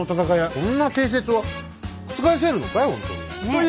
こんな定説は覆せるのかい？